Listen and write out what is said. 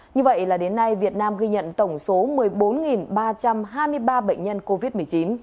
như vậy là đến nay việt nam ghi nhận tổng số một mươi bốn ba trăm hai mươi ba bệnh nhân covid một mươi chín